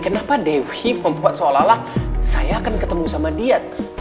kenapa devi membuat seolah olah saya akan ketemu sama dia